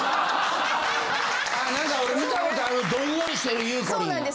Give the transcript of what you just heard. あ何か俺見たことあるどんよりしてるゆうこりん。